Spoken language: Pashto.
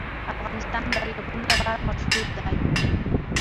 افغانستان د دریابونه لپاره مشهور دی.